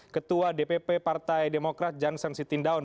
ketua dpp partai demokrat johnssen sitindaun